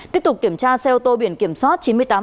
tiếp tục kiểm tra xe ô tô biển kiểm soát